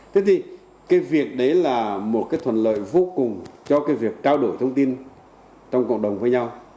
thế thì cái việc đấy là một cái thuận lợi vô cùng cho cái việc trao đổi thông tin trong cộng đồng với nhau